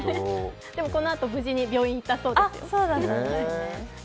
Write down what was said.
でもこのあと無事に病院に行ったそうです。